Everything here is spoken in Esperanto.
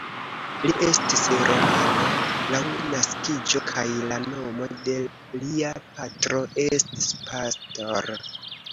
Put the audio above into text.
Li estis romano laŭ naskiĝo, kaj la nomo de lia patro estis Pastor.